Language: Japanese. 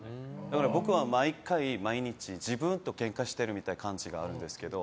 僕は毎回、毎日自分とケンカしてるみたいな感じがあるんですけど。